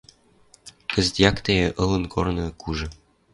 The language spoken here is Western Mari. Кӹзӹт якте ылын корны кужы